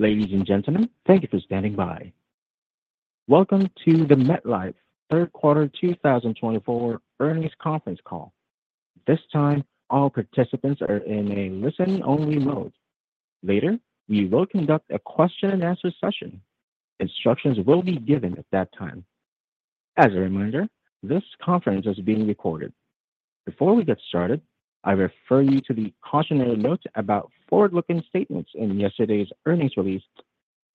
Ladies and gentlemen, thank you for standing by. Welcome to the MetLife Q3 2024 Earnings Conference Call. This time, all participants are in a listen-only mode. Later, we will conduct a question-and-answer session. Instructions will be given at that time. As a reminder, this conference is being recorded. Before we get started, I refer you to the cautionary note about forward-looking statements in yesterday's earnings release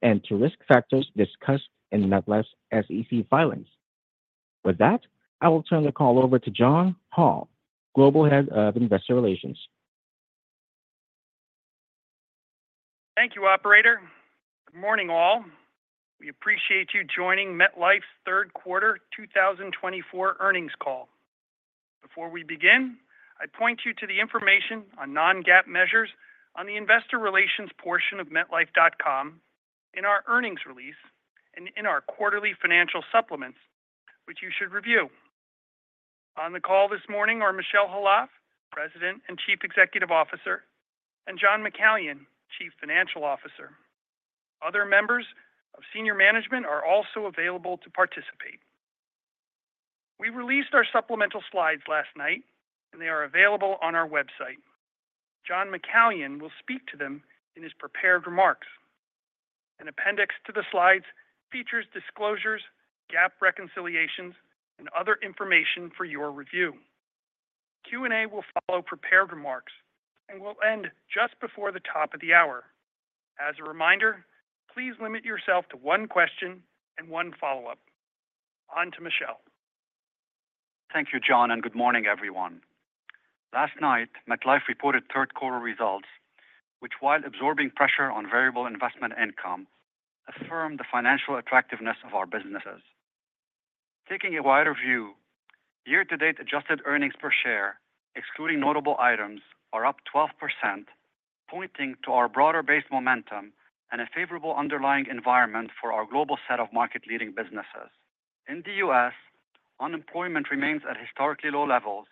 and to risk factors discussed in MetLife's SEC filings. With that, I will turn the call over to John Hall, Global Head of Investor Relations. Thank you, Operator. Good morning, all. We appreciate you joining MetLife's Q3 2024 Earnings Call. Before we begin, I point you to the information on non-GAAP measures on the Investor Relations portion of MetLife.com, in our earnings release, and in our quarterly financial supplements, which you should review. On the call this morning are Michel Khalaf, President and Chief Executive Officer, and John McCallion, Chief Financial Officer. Other members of senior management are also available to participate. We released our supplemental slides last night, and they are available on our website. John McCallion will speak to them in his prepared remarks. An appendix to the slides features disclosures, GAAP reconciliations, and other information for your review. Q&A will follow prepared remarks, and will end just before the top of the hour. As a reminder, please limit yourself to one question and one follow-up. On to Michel. Thank you, John, and good morning, everyone. Last night, MetLife reported Q3 results, which, while absorbing pressure on variable investment income, affirmed the financial attractiveness of our businesses. Taking a wider view, year-to-date adjusted earnings per share, excluding notable items, are up 12%, pointing to our broader-based momentum and a favorable underlying environment for our global set of market-leading businesses. In the U.S., unemployment remains at historically low levels,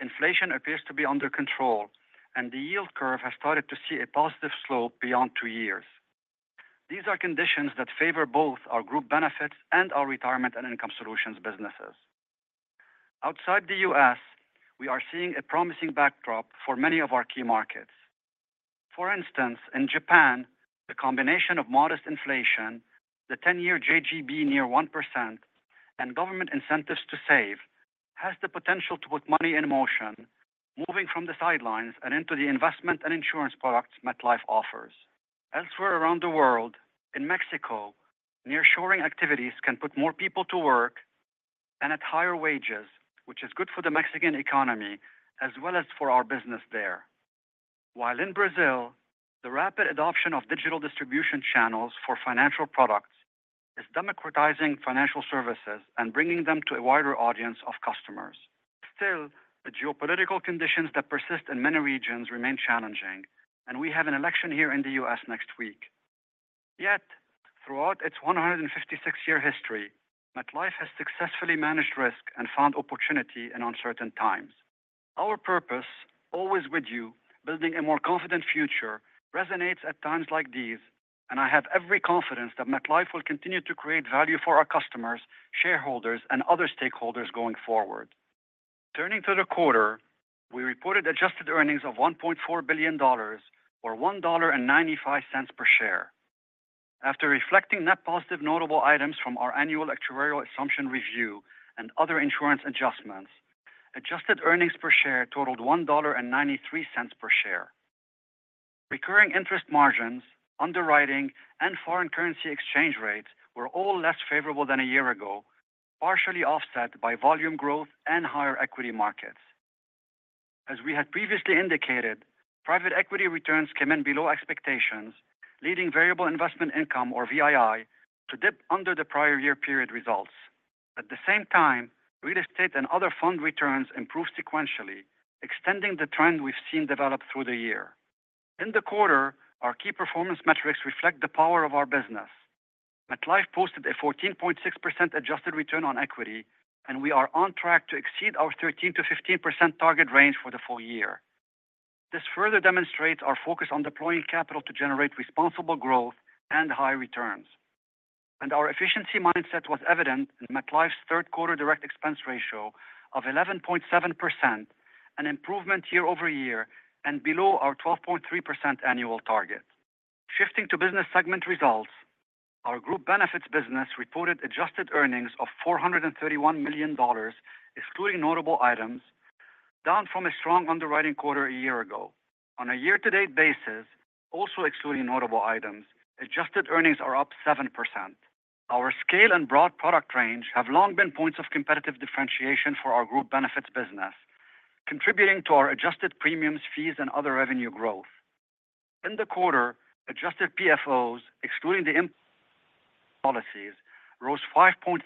inflation appears to be under control, and the yield curve has started to see a positive slope beyond two years. These are conditions that favor both our group benefits and our retirement and income solutions businesses. Outside the U.S., we are seeing a promising backdrop for many of our key markets. For instance, in Japan, the combination of modest inflation, the 10-year JGB near 1%, and government incentives to save has the potential to put money in motion, moving from the sidelines and into the investment and insurance products MetLife offers. Elsewhere around the world, in Mexico, nearshoring activities can put more people to work and at higher wages, which is good for the Mexican economy as well as for our business there. While in Brazil, the rapid adoption of digital distribution channels for financial products is democratizing financial services and bringing them to a wider audience of customers. Still, the geopolitical conditions that persist in many regions remain challenging, and we have an election here in the U.S. next week. Yet, throughout its 156-year history, MetLife has successfully managed risk and found opportunity in uncertain times. Our purpose, "Always with you," building a more confident future, resonates at times like these, and I have every confidence that MetLife will continue to create value for our customers, shareholders, and other stakeholders going forward. Turning to the quarter, we reported adjusted earnings of $1.4 billion, or 1.95 per share. After reflecting net positive notable items from our annual actuarial assumption review and other insurance adjustments, adjusted earnings per share totaled $1.93 per share. Recurring interest margins, underwriting, and foreign currency exchange rates were all less favorable than a year ago, partially offset by volume growth and higher equity markets. As we had previously indicated, private equity returns came in below expectations, leading variable investment income, or VII, to dip under the prior year period results. At the same time, real estate and other fund returns improved sequentially, extending the trend we've seen develop through the year. In the quarter, our key performance metrics reflect the power of our business. MetLife posted a 14.6% adjusted return on equity, and we are on track to exceed our 13% to 15% target range for the full year. This further demonstrates our focus on deploying capital to generate responsible growth and high returns. And our efficiency mindset was evident in MetLife's Q3 direct expense ratio of 11.7%, an improvement year over year, and below our 12.3% annual target. Shifting to business segment results, our group benefits business reported adjusted earnings of $431 million, excluding notable items, down from a strong underwriting quarter a year ago. On a year-to-date basis, also excluding notable items, adjusted earnings are up 7%. Our scale and broad product range have long been points of competitive differentiation for our group benefits business, contributing to our adjusted premiums, fees, and other revenue growth. In the quarter, adjusted PFOs, excluding the policies, rose 5.3%.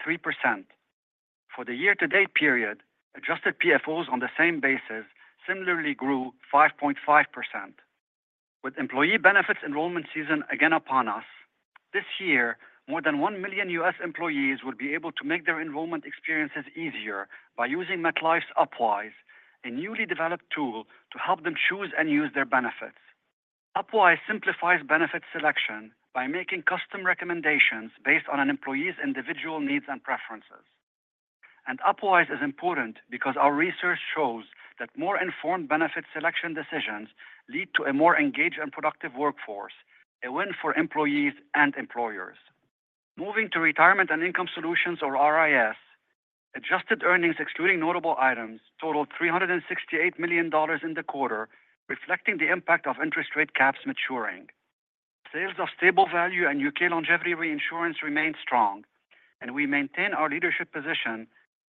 For the year-to-date period, adjusted PFOs on the same basis similarly grew 5.5%. With employee benefits enrollment season again upon us, this year, more than 1 million U.S. employees will be able to make their enrollment experiences easier by using MetLife's Upwise, a newly developed tool to help them choose and use their benefits. Upwise simplifies benefits selection by making custom recommendations based on an employee's individual needs and preferences. Upwise is important because our research shows that more informed benefits selection decisions lead to a more engaged and productive workforce, a win for employees and employers. Moving to retirement and income solutions, or RIS, adjusted earnings excluding notable items totaled $368 million in the quarter, reflecting the impact of interest rate caps maturing. Sales of stable value and UK longevity reinsurance remain strong, and we maintain our leadership position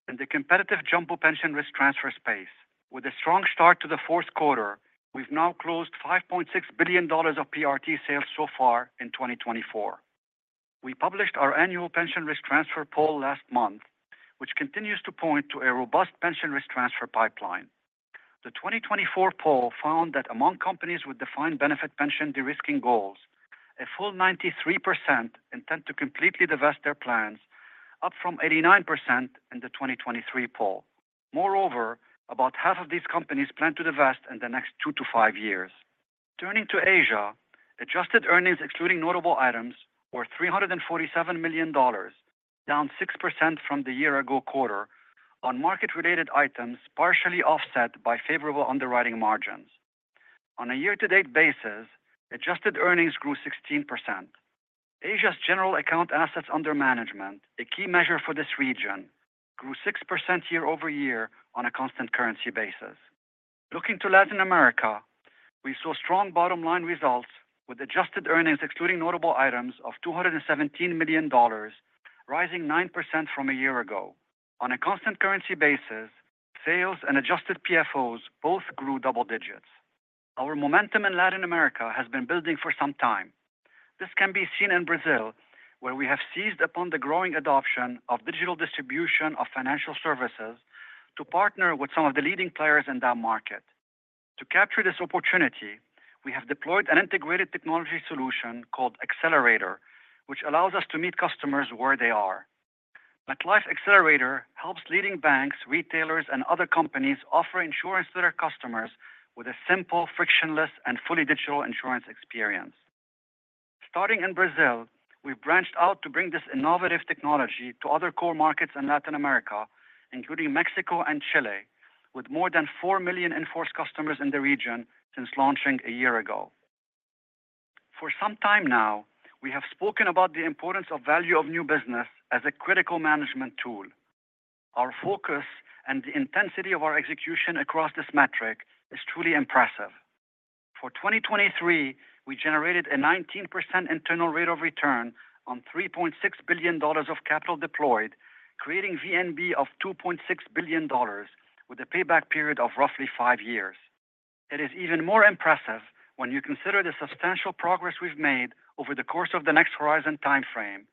in the competitive jumbo pension risk transfer space. With a strong start to the Q4, we've now closed $5.6 billion of PRT sales so far in 2024. We published our annual pension risk transfer poll last month, which continues to point to a robust pension risk transfer pipeline. The 2024 poll found that among companies with defined benefit pension de-risking goals, a full 93% intend to completely divest their plans, up from 89% in the 2023 poll. Moreover, about half of these companies plan to divest in the next two to five years. Turning to Asia, adjusted earnings excluding notable items were $347 million, down 6% from the year-ago quarter, on market-related items partially offset by favorable underwriting margins. On a year-to-date basis, adjusted earnings grew 16%. Asia's general account assets under management, a key measure for this region, grew 6% year over year on a constant currency basis. Looking to Latin America, we saw strong bottom-line results with adjusted earnings excluding notable items of $217 million, rising 9% from a year ago. On a constant currency basis, sales and adjusted PFOs both grew double digits. Our momentum in Latin America has been building for some time. This can be seen in Brazil, where we have seized upon the growing adoption of digital distribution of financial services to partner with some of the leading players in that market. To capture this opportunity, we have deployed an integrated technology solution called Accelerator, which allows us to meet customers where they are. MetLife Accelerator helps leading banks, retailers, and other companies offer insurance to their customers with a simple, frictionless, and fully digital insurance experience. Starting in Brazil, we've branched out to bring this innovative technology to other core markets in Latin America, including Mexico and Chile, with more than 4 million in-force customers in the region since launching a year ago. For some time now, we have spoken about the importance of value of new business as a critical management tool. Our focus and the intensity of our execution across this metric is truly impressive. For 2023, we generated a 19% internal rate of return on $3.6 billion of capital deployed, creating VNB of $2.6 billion, with a payback period of roughly five years. It is even more impressive when you consider the substantial progress we've made over the course of the Next Horizon timeframe,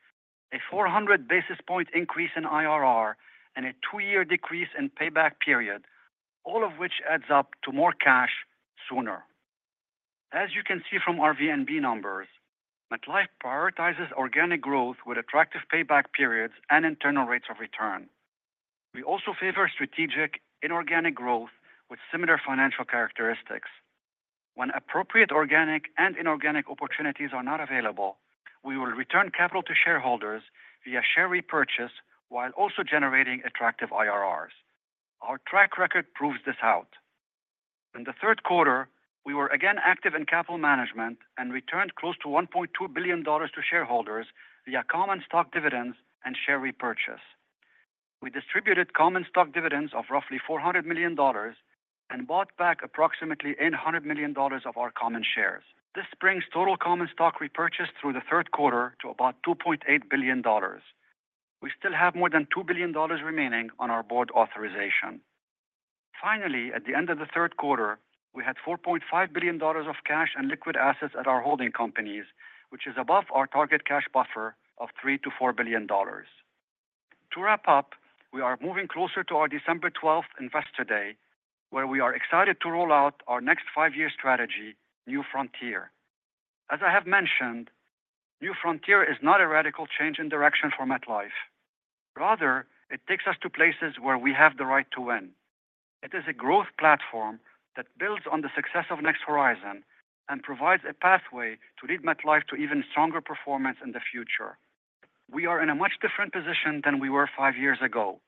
a 400 basis points increase in IRR, and a two-year decrease in payback period, all of which adds up to more cash sooner. As you can see from our VNB numbers, MetLife prioritizes organic growth with attractive payback periods and internal rates of return. We also favor strategic inorganic growth with similar financial characteristics. When appropriate organic and inorganic opportunities are not available, we will return capital to shareholders via share repurchase while also generating attractive IRRs. Our track record proves this out. In the Q3, we were again active in capital management and returned close to $1.2 billion to shareholders via common stock dividends and share repurchase. We distributed common stock dividends of roughly $400 million and bought back approximately $800 million of our common shares. This brings total common stock repurchase through the Q3 to about $2.8 billion. We still have more than $2 billion remaining on our board authorization. Finally, at the end of the Q3, we had $4.5 billion of cash and liquid assets at our holding companies, which is above our target cash buffer of $3-4 billion. To wrap up, we are moving closer to our December 12 Investor Day, where we are excited to roll out our next five-year strategy, New Frontier. As I have mentioned, New Frontier is not a radical change in direction for MetLife. Rather, it takes us to places where we have the right to win. It is a growth platform that builds on the success of Next Horizon and provides a pathway to lead MetLife to even stronger performance in the future. We are in a much different position than we were five years ago,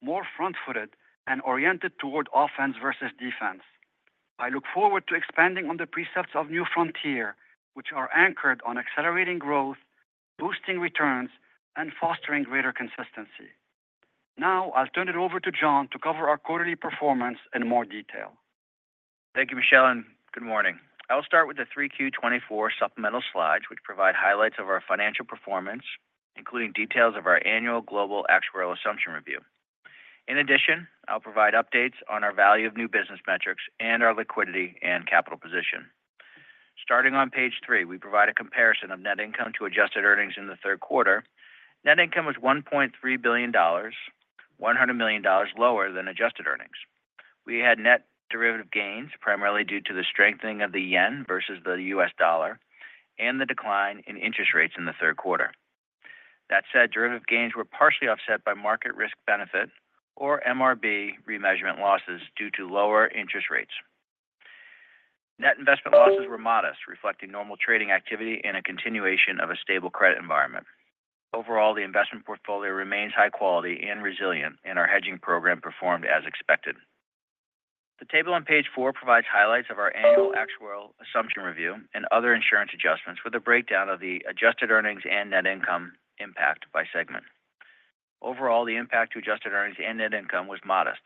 more front-footed and oriented toward offense versus defense. I look forward to expanding on the precepts of New Frontier, which are anchored on accelerating growth, boosting returns, and fostering greater consistency. Now, I'll turn it over to John to cover our quarterly performance in more detail. Thank you, Michel, and good morning. I'll start with the Q3 2024 supplemental slides, which provide highlights of our financial performance, including details of our annual global actuarial assumption review. In addition, I'll provide updates on our value of new business metrics and our liquidity and capital position. Starting on page three, we provide a comparison of net income to adjusted earnings in the Q3. Net income was $1.3 billion, $100 million lower than adjusted earnings. We had net derivative gains, primarily due to the strengthening of the yen versus the U.S. dollar and the decline in interest rates in the Q3. That said, derivative gains were partially offset by Market Risk Benefit, or MRB, remeasurement losses due to lower interest rates. Net investment losses were modest, reflecting normal trading activity and a continuation of a stable credit environment. Overall, the investment portfolio remains high quality and resilient, and our hedging program performed as expected. The table on page four provides highlights of our annual actuarial assumption review and other insurance adjustments with a breakdown of the Adjusted Earnings and net income impact by segment. Overall, the impact to Adjusted Earnings and net income was modest.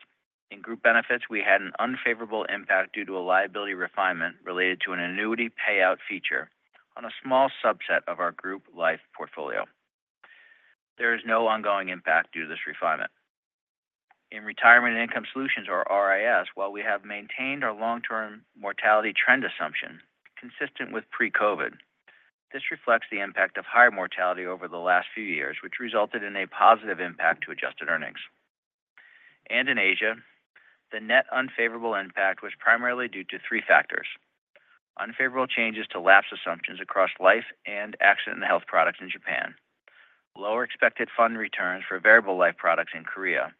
In Group Benefits, we had an unfavorable impact due to a liability refinement related to an annuity payout feature on a small subset of our group life portfolio. There is no ongoing impact due to this refinement. In Retirement and Income Solutions, or RIS, while we have maintained our long-term mortality trend assumption consistent with pre-COVID, this reflects the impact of higher mortality over the last few years, which resulted in a positive impact to Adjusted Earnings. In Asia, the net unfavorable impact was primarily due to three factors: unfavorable changes to lapse assumptions across life and accident and health products in Japan, lower expected fund returns for variable life products in Korea,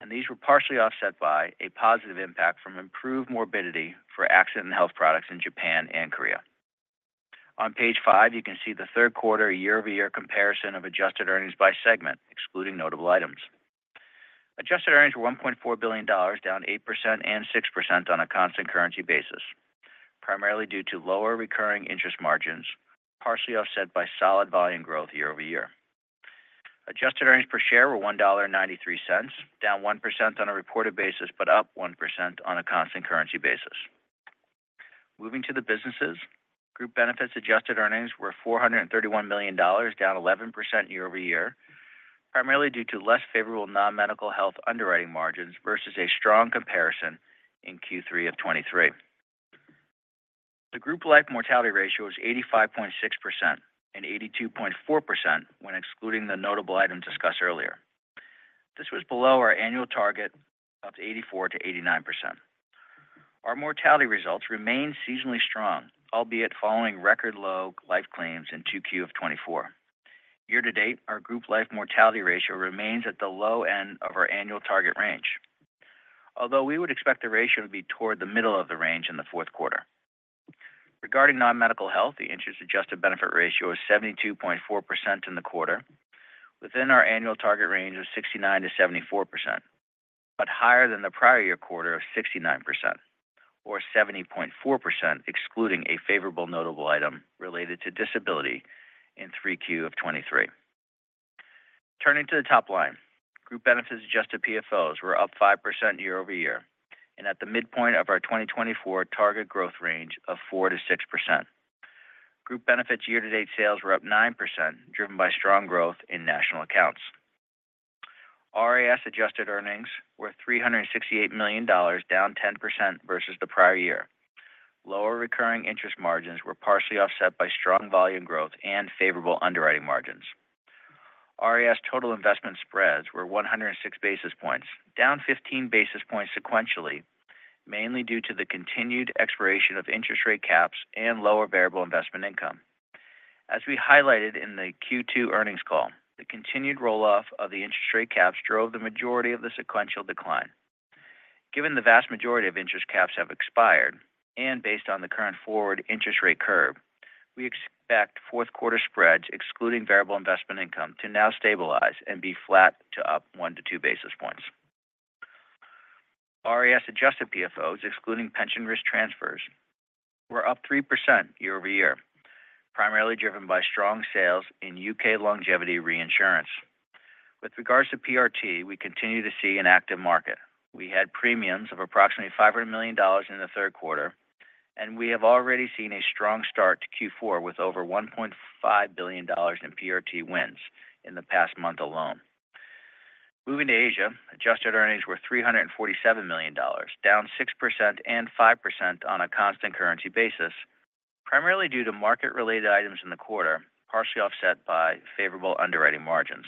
and these were partially offset by a positive impact from improved morbidity for accident and health products in Japan and Korea. On page five, you can see the Q3 year-over-year comparison of adjusted earnings by segment, excluding notable items. Adjusted earnings were $1.4 billion, down 8% and 6% on a constant currency basis, primarily due to lower recurring interest margins, partially offset by solid volume growth year over year. Adjusted earnings per share were $1.93, down 1% on a reported basis, but up 1% on a constant currency basis. Moving to the businesses, group benefits adjusted earnings were $431 million, down 11% year over year, primarily due to less favorable non-medical health underwriting margins versus a strong comparison in Q3 of 2023. The group life mortality ratio was 85.6% and 82.4% when excluding the notable items discussed earlier. This was below our annual target of 84%-89%. Our mortality results remained seasonally strong, albeit following record low life claims in Q2 of 2024. Year-to-date, our group life mortality ratio remains at the low end of our annual target range, although we would expect the ratio to be toward the middle of the range in the Q4. Regarding non-medical health, the interest adjusted benefit ratio was 72.4% in the quarter, within our annual target range of 69%-74%, but higher than the prior year quarter of 69%, or 70.4% excluding a favorable notable item related to disability in Q3 of 2023. Turning to the top line, group benefits adjusted PFOs were up 5% year over year and at the midpoint of our 2024 target growth range of 4%-6%. Group benefits year-to-date sales were up 9%, driven by strong growth in national accounts. RIS adjusted earnings were $368 million, down 10% versus the prior year. Lower recurring interest margins were partially offset by strong volume growth and favorable underwriting margins. RIS total investment spreads were 106 basis points, down 15 basis points sequentially, mainly due to the continued expiration of interest rate caps and lower variable investment income. As we highlighted in the Q2 Earnings Call, the continued roll-off of the interest rate caps drove the majority of the sequential decline. Given the vast majority of interest caps have expired and based on the current forward interest rate curve, we expect Q4 spreads, excluding variable investment income, to now stabilize and be flat to up one to two basis points. RIS adjusted PFOs, excluding pension risk transfers, were up 3% year over year, primarily driven by strong sales in U.K. longevity reinsurance. With regards to PRT, we continue to see an active market. We had premiums of approximately $500 million in the Q3, and we have already seen a strong start to Q4 with over $1.5 billion in PRT wins in the past month alone. Moving to Asia, adjusted earnings were $347 million, down 6% and 5% on a constant currency basis, primarily due to market-related items in the quarter, partially offset by favorable underwriting margins.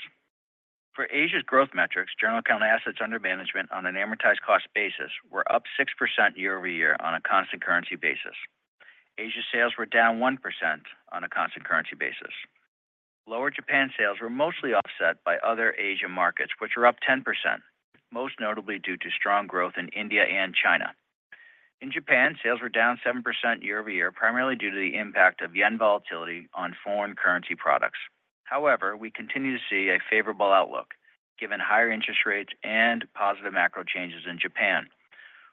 For Asia's growth metrics, general account assets under management on an amortized cost basis were up 6% year over year on a constant currency basis. Asia sales were down 1% on a constant currency basis. Lower Japan sales were mostly offset by other Asia markets, which were up 10%, most notably due to strong growth in India and China. In Japan, sales were down 7% year over year, primarily due to the impact of yen volatility on foreign currency products. However, we continue to see a favorable outlook given higher interest rates and positive macro changes in Japan.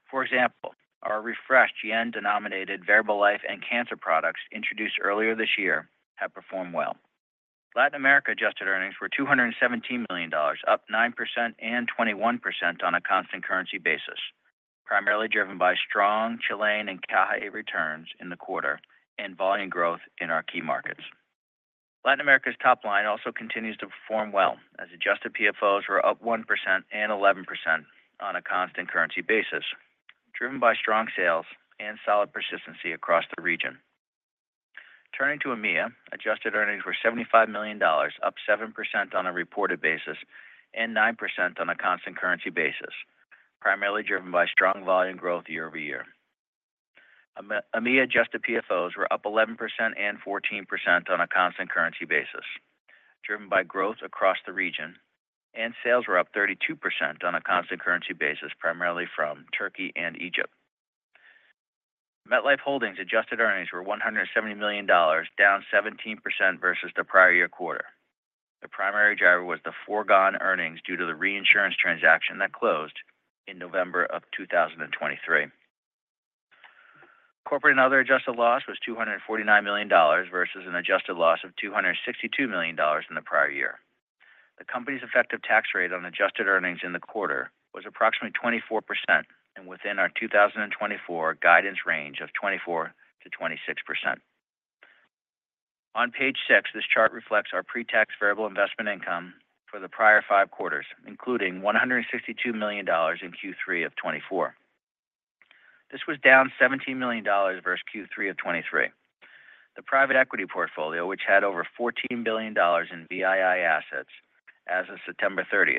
For example, our refreshed yen-denominated variable life and cancer products introduced earlier this year have performed well. Latin America adjusted earnings were $217 million, up 9% and 21% on a constant currency basis, primarily driven by strong Chilean and Encaje returns in the quarter and volume growth in our key markets. Latin America's top line also continues to perform well, as adjusted PFOs were up 1% and 11% on a constant currency basis, driven by strong sales and solid persistency across the region. Turning to EMEA, adjusted earnings were $75 million, up 7% on a reported basis and 9% on a constant currency basis, primarily driven by strong volume growth year over year. EMEA adjusted PFOs were up 11% and 14% on a constant currency basis, driven by growth across the region, and sales were up 32% on a constant currency basis, primarily from Turkey and Egypt. MetLife Holdings' adjusted earnings were $170 million, down 17% versus the prior year quarter. The primary driver was the foregone earnings due to the reinsurance transaction that closed in November of 2023. Corporate and other adjusted loss was $249 million versus an adjusted loss of $262 million in the prior year. The company's effective tax rate on adjusted earnings in the quarter was approximately 24% and within our 2024 guidance range of 24%-26%. On page six, this chart reflects our pre-tax variable investment income for the prior five quarters, including $162 million in Q3 of 2024. This was down $17 million versus Q3 of 2023. The private equity portfolio, which had over $14 billion in VII assets as of September 30,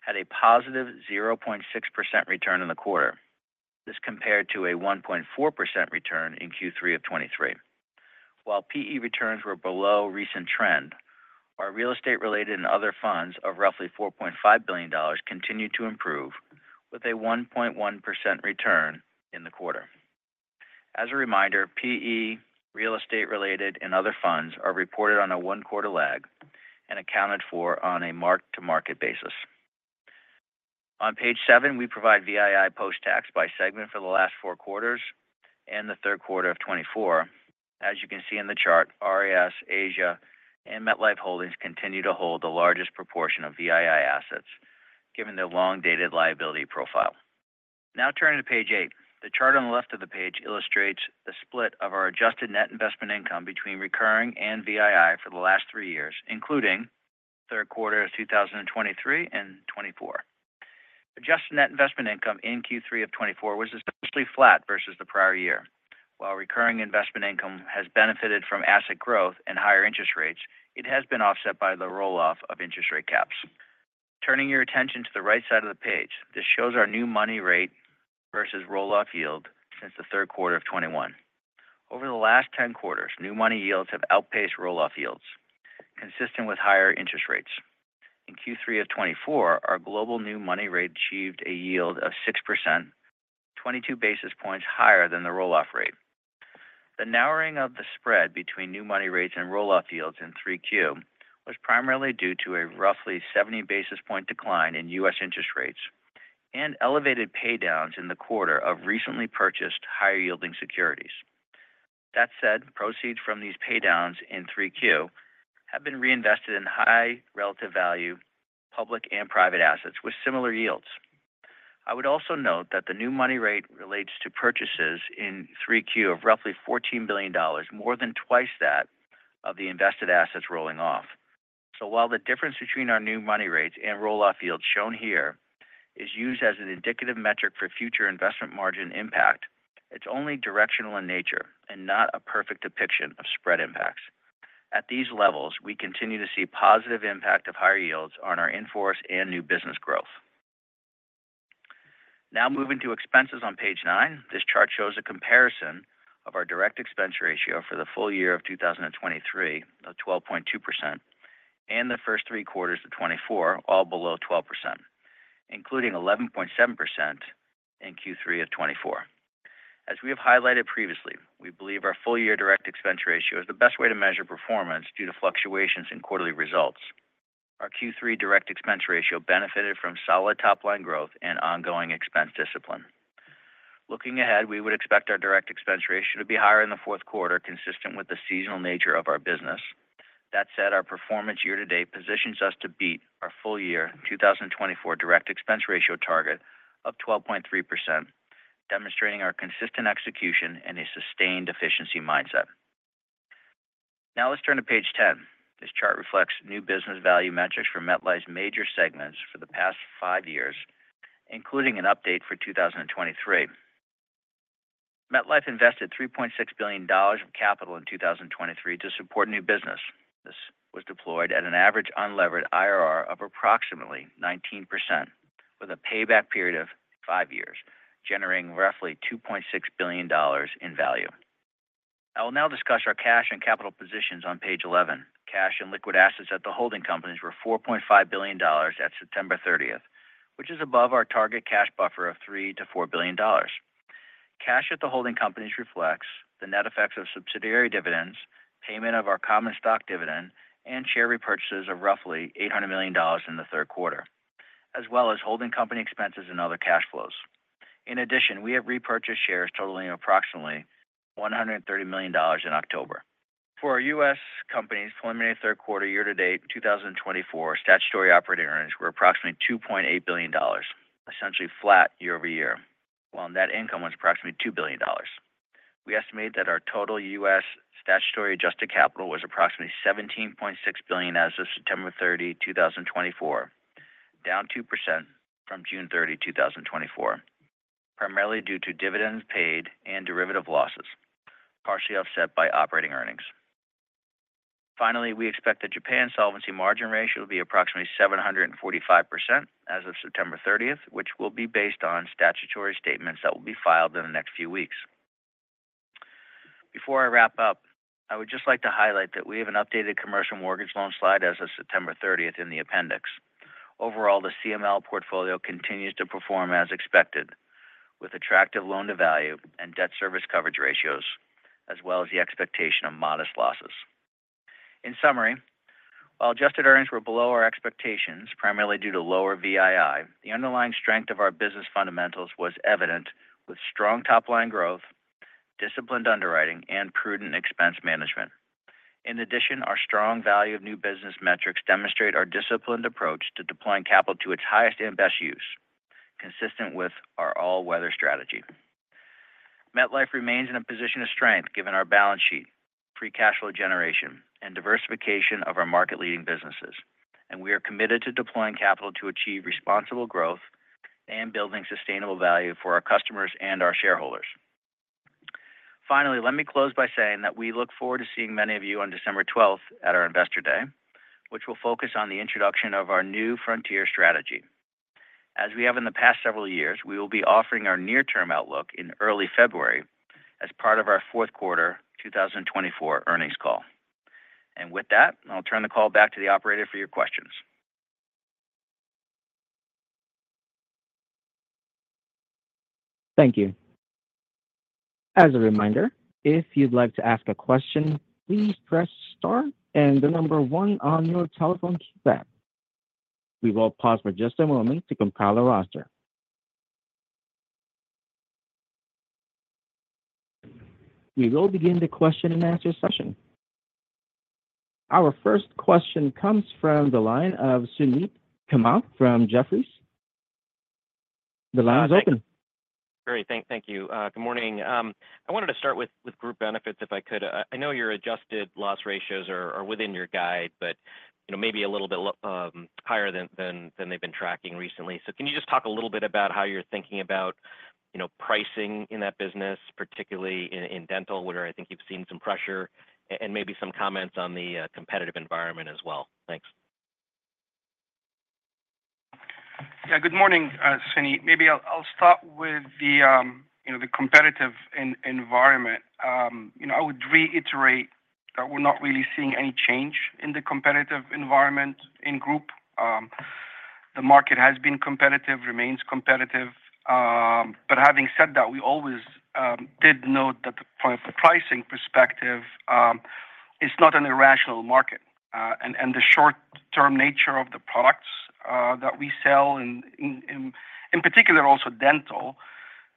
had a positive 0.6% return in the quarter. This compared to a 1.4% return in Q3 of 2023. While PE returns were below recent trend, our real estate-related and other funds of roughly $4.5 billion continued to improve with a 1.1% return in the quarter. As a reminder, PE, real estate-related, and other funds are reported on a one-quarter lag and accounted for on a mark-to-market basis. On page seven, we provide VII post-tax by segment for the last four quarters and the Q3 of 2024. As you can see in the chart, RIS, Asia, and MetLife Holdings continue to hold the largest proportion of VII assets, given their long-dated liability profile. Now, turning to page eight, the chart on the left of the page illustrates the split of our adjusted net investment income between recurring and VII for the last three years, including Q3 of 2023 and 2024. Adjusted net investment income in Q3 of 2024 was essentially flat versus the prior year. While recurring investment income has benefited from asset growth and higher interest rates, it has been offset by the roll-off of interest rate caps. Turning your attention to the right side of the page, this shows our new money rate versus roll-off yield since the Q3 of 2021. Over the last 10 quarters, new money yields have outpaced roll-off yields, consistent with higher interest rates. In Q3 of 2024, our global new money rate achieved a yield of 6%, 22 basis points higher than the roll-off rate. The narrowing of the spread between new money rates and roll-off yields in Q3 was primarily due to a roughly 70 basis point decline in U.S. interest rates and elevated paydowns in the quarter of recently purchased higher-yielding securities. That said, proceeds from these paydowns in Q3 have been reinvested in high relative value public and private assets with similar yields. I would also note that the new money rate relates to purchases in Q3 of roughly $14 billion, more than twice that of the invested assets rolling off. So while the difference between our new money rates and roll-off yields shown here is used as an indicative metric for future investment margin impact, it's only directional in nature and not a perfect depiction of spread impacts. At these levels, we continue to see positive impact of higher yields on our inforce and new business growth. Now, moving to expenses on page nine, this chart shows a comparison of our direct expense ratio for the full year of 2023 of 12.2% and the first three quarters of 2024, all below 12%, including 11.7% in Q3 of 2024. As we have highlighted previously, we believe our full-year direct expense ratio is the best way to measure performance due to fluctuations in quarterly results. Our Q3 direct expense ratio benefited from solid top-line growth and ongoing expense discipline. Looking ahead, we would expect our direct expense ratio to be higher in the Q4, consistent with the seasonal nature of our business. That said, our performance year-to-date positions us to beat our full-year 2024 direct expense ratio target of 12.3%, demonstrating our consistent execution and a sustained efficiency mindset. Now, let's turn to page 10. This chart reflects new business value metrics for MetLife's major segments for the past five years, including an update for 2023. MetLife invested $3.6 billion of capital in 2023 to support new business. This was deployed at an average unlevered IRR of approximately 19%, with a payback period of five years, generating roughly $2.6 billion in value. I will now discuss our cash and capital positions on page 11. Cash and liquid assets at the holding companies were $4.5 billion at September 30, which is above our target cash buffer of $3-4 billion. Cash at the holding companies reflects the net effects of subsidiary dividends, payment of our common stock dividend, and share repurchases of roughly $800 million in the Q3, as well as holding company expenses and other cash flows. In addition, we have repurchased shares totaling approximately $130 million in October. For our U.S. companies, preliminary Q3 year-to-date in 2024, statutory operating earnings were approximately $2.8 billion, essentially flat year over year, while net income was approximately $2 billion. We estimate that our total U.S. Statutory adjusted capital was approximately $17.6 billion as of September 30, 2024, down 2% from June 30, 2024, primarily due to dividends paid and derivative losses, partially offset by operating earnings. Finally, we expect the Japan solvency margin ratio to be approximately 745% as of September 30, which will be based on statutory statements that will be filed in the next few weeks. Before I wrap up, I would just like to highlight that we have an updated commercial mortgage loan slide as of September 30 in the appendix. Overall, the CML portfolio continues to perform as expected, with attractive loan-to-value and debt service coverage ratios, as well as the expectation of modest losses. In summary, while adjusted earnings were below our expectations, primarily due to lower VII, the underlying strength of our business fundamentals was evident with strong top-line growth, disciplined underwriting, and prudent expense management. In addition, our strong Value of New Business metrics demonstrate our disciplined approach to deploying capital to its highest and best use, consistent with our all-weather strategy. MetLife remains in a position of strength given our balance sheet, free cash flow generation, and diversification of our market-leading businesses, and we are committed to deploying capital to achieve responsible growth and building sustainable value for our customers and our shareholders. Finally, let me close by saying that we look forward to seeing many of you on December 12 at our Investor Day, which will focus on the introduction of our New Frontier strategy. As we have in the past several years, we will be offering our near-term outlook in early February as part of our Q4 2024 Earnings Call. And with that, I'll turn the call back to the operator for your questions. Thank you. As a reminder, if you'd like to ask a question, please press star and the number one on your telephone keypad. We will pause for just a moment to compile a roster. We will begin the question and answer session. Our first question comes from the line of Suneet Kamath from Jefferies. The line is open. Hi, Suneet. Great. Thank you. Good morning. I wanted to start with Group Benefits if I could. I know your adjusted loss ratios are within your guide, but maybe a little bit higher than they've been tracking recently. So can you just talk a little bit about how you're thinking about pricing in that business, particularly in dental, where I think you've seen some pressure and maybe some comments on the competitive environment as well? Thanks. Yeah. Good morning, Suneet. Maybe I'll start with the competitive environment. I would reiterate that we're not really seeing any change in the competitive environment in group. The market has been competitive, remains competitive, but having said that, we always did note that from a pricing perspective, it's not an irrational market, and the short-term nature of the products that we sell, in particular also dental,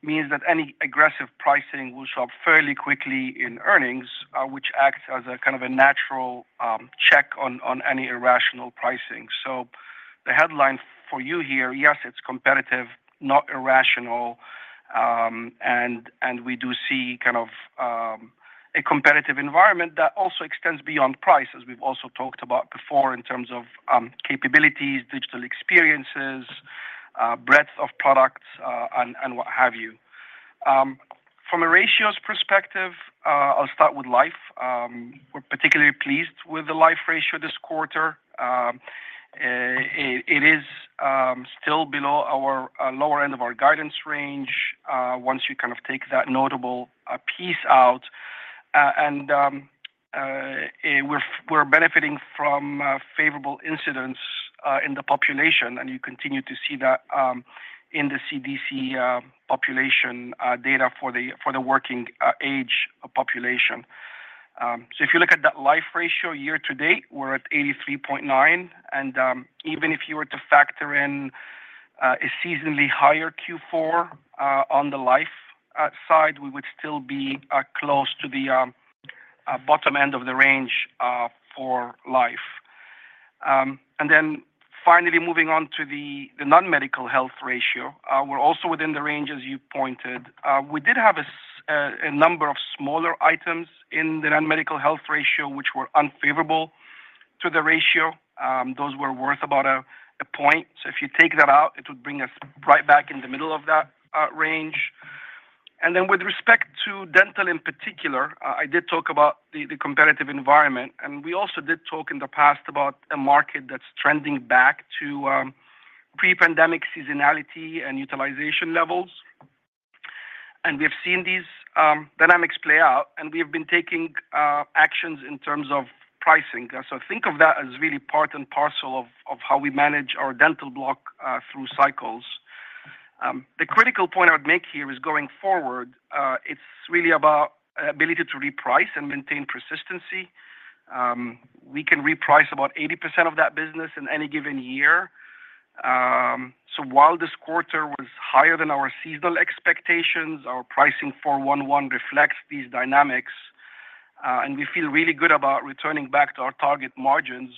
means that any aggressive pricing will show up fairly quickly in earnings, which acts as a kind of a natural check on any irrational pricing, so the headline for you here, yes, it's competitive, not irrational, and we do see kind of a competitive environment that also extends beyond price, as we've also talked about before in terms of capabilities, digital experiences, breadth of products, and what have you. From a ratios perspective, I'll start with Life. We're particularly pleased with the Life ratio this quarter. It is still below our lower end of our guidance range once you kind of take that notable piece out, and we're benefiting from favorable mortality in the population, and you continue to see that in the CDC population data for the working-age population. So if you look at that Life ratio year-to-date, we're at 83.9%. And even if you were to factor in a seasonally higher Q4 on the Life side, we would still be close to the bottom end of the range for Life. And then finally, moving on to the non-medical health ratio, we're also within the range, as you pointed. We did have a number of smaller items in the non-medical health ratio which were unfavorable to the ratio. Those were worth about a point. So if you take that out, it would bring us right back in the middle of that range. Then with respect to dental in particular, I did talk about the competitive environment. We also did talk in the past about a market that's trending back to pre-pandemic seasonality and utilization levels. We have seen these dynamics play out, and we have been taking actions in terms of pricing. Think of that as really part and parcel of how we manage our dental block through cycles. The critical point I would make here is going forward, it's really about ability to reprice and maintain persistency. We can reprice about 80% of that business in any given year. While this quarter was higher than our seasonal expectations, our pricing actions reflect these dynamics, and we feel really good about returning back to our target margins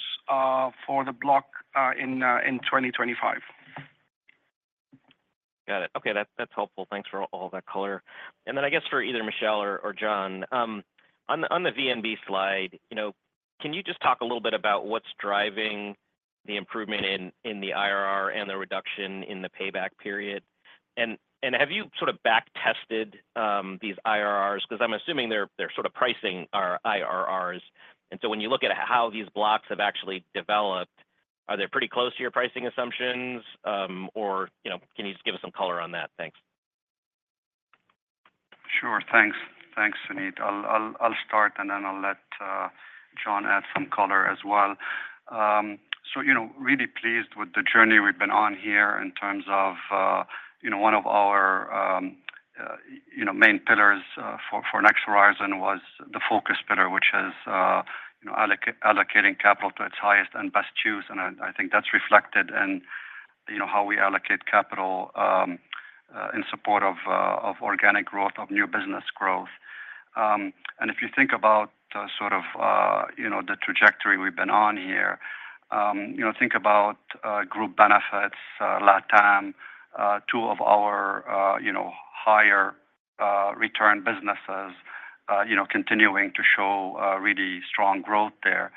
for the block in 2025. Got it. Okay. That's helpful. Thanks for all that color. And then I guess for either Michel or John, on the VNB slide, can you just talk a little bit about what's driving the improvement in the IRR and the reduction in the payback period? And have you sort of backtested these IRRs? Because I'm assuming they're sort of pricing our IRRs. And so when you look at how these blocks have actually developed, are they pretty close to your pricing assumptions, or can you just give us some color on that? Thanks. Sure. Thanks. Thanks, Suneet. I'll start, and then I'll let John add some color as well. So really pleased with the journey we've been on here in terms of one of our main pillars for Next Horizon was the focus pillar, which is allocating capital to its highest and best use. I think that's reflected in how we allocate capital in support of organic growth, of new business growth. And if you think about sort of the trajectory we've been on here, think about group benefits, LatAm, two of our higher return businesses continuing to show really strong growth there.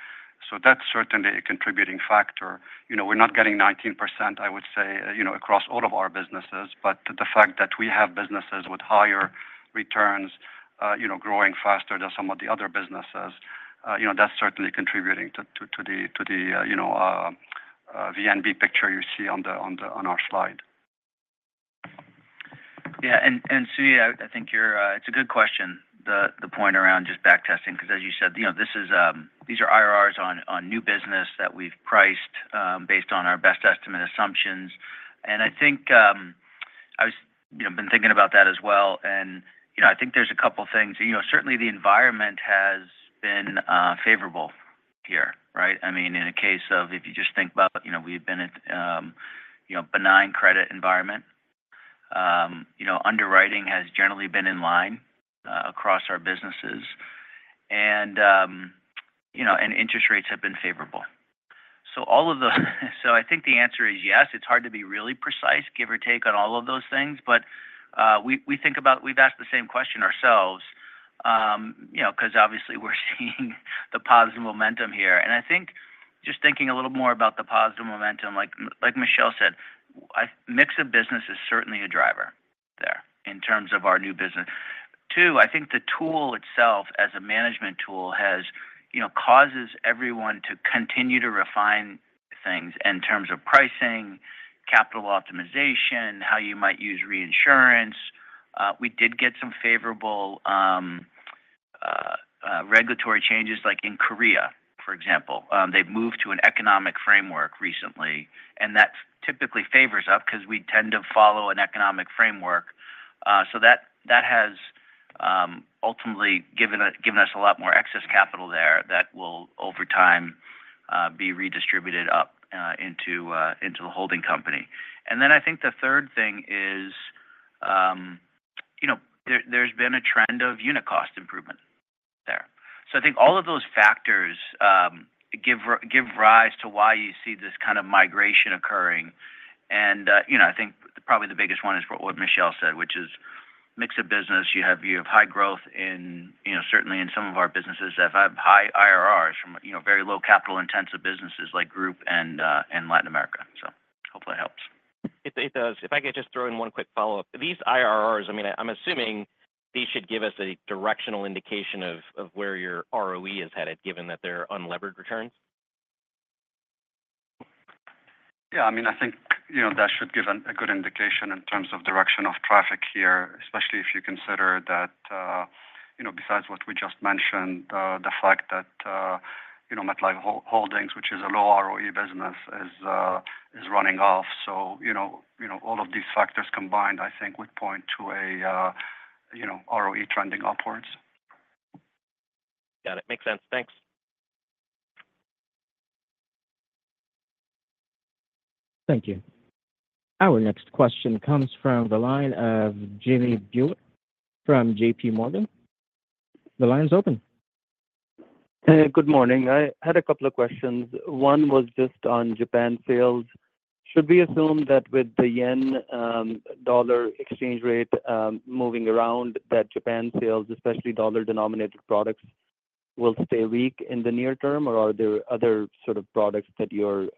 So that's certainly a contributing factor. We're not getting 19%, I would say, across all of our businesses, but the fact that we have businesses with higher returns growing faster than some of the other businesses, that's certainly contributing to the VNB picture you see on our slide. Yeah. And Suneet, I think it's a good question, the point around just backtesting, because as you said, these are IRRs on new business that we've priced based on our best estimate assumptions. And I think I've been thinking about that as well. And I think there's a couple of things. Certainly, the environment has been favorable here, right? I mean, in a case of if you just think about we've been in a benign credit environment, underwriting has generally been in line across our businesses, and interest rates have been favorable. So I think the answer is yes. It's hard to be really precise, give or take on all of those things. But we think about we've asked the same question ourselves because obviously we're seeing the positive momentum here. And I think just thinking a little more about the positive momentum, like Michel said, a mix of business is certainly a driver there in terms of our new business. Two, I think the tool itself as a management tool causes everyone to continue to refine things in terms of pricing, capital optimization, how you might use reinsurance. We did get some favorable regulatory changes, like in Korea, for example. They've moved to an economic framework recently, and that typically favors us because we tend to follow an economic framework, so that has ultimately given us a lot more excess capital there that will, over time, be redistributed up into the holding company, and then I think the third thing is there's been a trend of unit cost improvement there, so I think all of those factors give rise to why you see this kind of migration occurring, and I think probably the biggest one is what Michel said, which is mix of business. You have high growth, certainly in some of our businesses that have high IRRs from very low capital-intensive businesses like group and Latin America, so hopefully it helps. It does. If I could just throw in one quick follow-up. These IRRs, I mean, I'm assuming these should give us a directional indication of where your ROE is headed, given that they're unlevered returns? Yeah. I mean, I think that should give a good indication in terms of direction of traffic here, especially if you consider that besides what we just mentioned, the fact that MetLife Holdings, which is a low ROE business, is running off. So all of these factors combined, I think, would point to a ROE trending upwards. Got it. Makes sense. Thanks. Thank you. Our next question comes from the line of Jimmy Bhullar from J.P. Morgan. The line's open. Good morning. I had a couple of questions. One was just on Japan sales. Should we assume that with the yen-dollar exchange rate moving around, that Japan sales, especially dollar-denominated products, will stay weak in the near term, or are there other sort of products that you're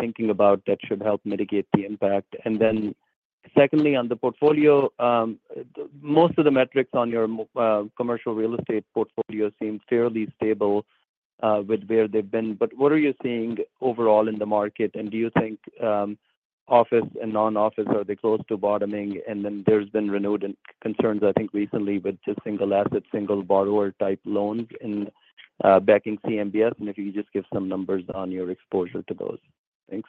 thinking about that should help mitigate the impact? And then secondly, on the portfolio, most of the metrics on your commercial real estate portfolio seem fairly stable with where they've been. But what are you seeing overall in the market? And do you think office and non-office, are they close to bottoming? And then there's been renewed concerns, I think, recently with just single-asset, single-borrower type loans in backing CMBS. And if you could just give some numbers on your exposure to those. Thanks.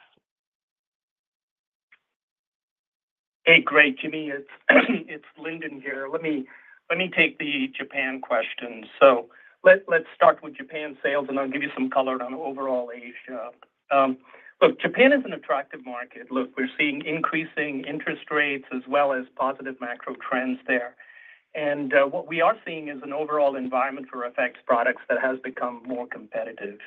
Hey, great. Jimmy, it's Lyndon here. Let me take the Japan questions. So let's start with Japan sales, and I'll give you some color on overall Asia. Look, Japan is an attractive market. Look, we're seeing increasing interest rates as well as positive macro trends there. What we are seeing is an overall environment for FX products that has become more competitive.